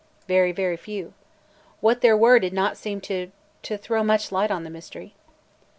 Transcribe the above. "Very, very few. What there were did not seem to – to throw much light on the mystery."